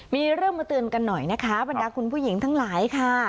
มีเรื่องมาเตือนกันหน่อยนะคะบรรดาคุณผู้หญิงทั้งหลายค่ะ